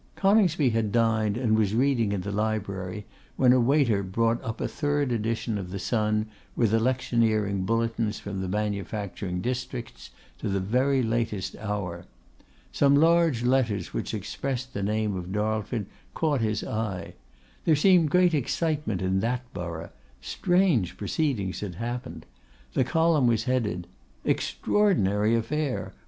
Coningsby had dined, and was reading in the library, when a waiter brought up a third edition of the Sun, with electioneering bulletins from the manufacturing districts to the very latest hour. Some large letters which expressed the name of Darlford caught his eye. There seemed great excitement in that borough; strange proceedings had happened. The column was headed, 'Extraordinary Affair!